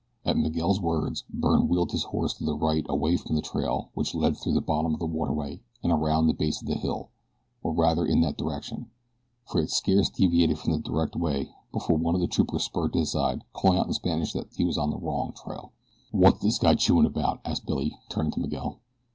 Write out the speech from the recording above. At Miguel's words Byrne wheeled his horse to the right away from the trail which led through the bottom of the waterway and around the base of the hill, or rather in that direction, for he had scarce deviated from the direct way before one of the troopers spurred to his side, calling out in Spanish that he was upon the wrong trail. "Wot's this guy chewin' about?" asked Billy, turning to Miguel.